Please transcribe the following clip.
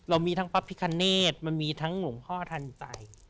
มีทั้งพระพิคเนธมันมีทั้งหลวงพ่อทันใจ